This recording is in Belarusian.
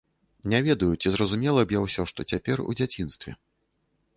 Не ведаю, ці зразумела б я ўсё, што цяпер, у дзяцінстве.